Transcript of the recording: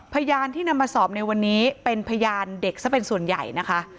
พยานที่นำมาสอบในวันนี้เป็นพยานเด็กซะเป็นส่วนใหญ่นะคะ